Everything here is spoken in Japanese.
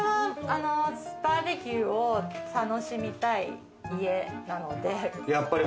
バーベキューを楽しみたい家なので。